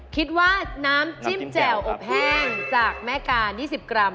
คิดว่าน้ำจิ้มแจ่วอบแห้งจากแม่กา๒๐กรัม